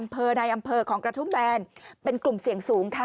อำเภอในอำเภอของกระทุ่มแบนเป็นกลุ่มเสี่ยงสูงค่ะ